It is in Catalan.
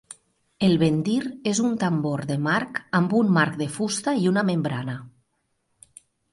El "bendir" és un tambor de marc amb un marc de fusta i una membrana.